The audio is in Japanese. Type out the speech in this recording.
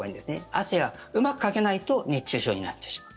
汗はうまくかけないと熱中症になってしまう。